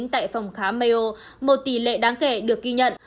tại phòng khám maio một tỷ lệ đáng kể được ghi nhận